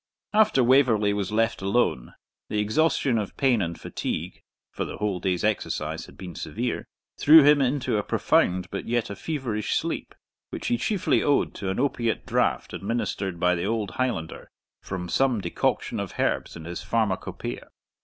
After Waverley was left alone, the exhaustion of pain and fatigue for the whole day's exercise had been severe threw him into a profound, but yet a feverish sleep, which he chiefly owed to an opiate draught administered by the old Highlander from some decoction of herbs in his pharmacopoeia.